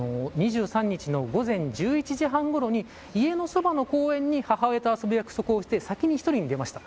２３日の午前１１時半ごろに家のそばの公園に母親と遊ぶ約束をして先に１人で出ました。